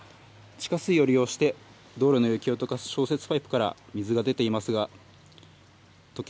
地下水を利用して、道路の雪をとかす消雪パイプから水が出ていますが、とけ